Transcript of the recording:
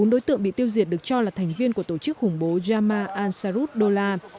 bốn đối tượng bị tiêu diệt được cho là thành viên của tổ chức khủng bố jamaa ansarut dola